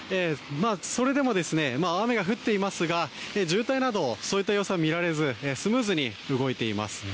それでも、雨が降っていますが渋滞などそういった様子は見られずスムーズに動いています。